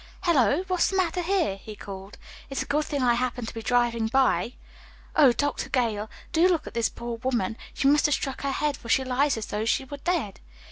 "Hello, what's the matter here?" he called. "It's a good thing I happened to be driving by." "Oh, Dr. Gale, do look at this poor woman. She must have struck her head, for she lies as though she were dead."